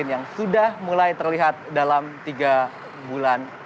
yang sudah mulai terlihat dalam tiga bulan